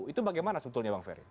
itu bagaimana sebetulnya bang ferry